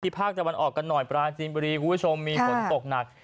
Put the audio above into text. ภาคตะวันออกกันหน่อยปราจีนบุรีคุณผู้ชมมีฝนตกหนัก